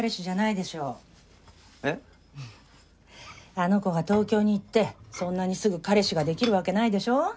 あの子が東京に行ってそんなにすぐ彼氏ができるわけないでしょ。